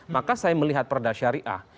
maka saya melihat perda syariah